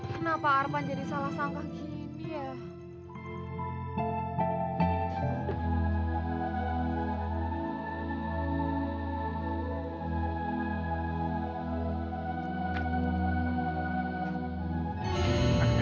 kenapa arman jadi salah sangka gini ya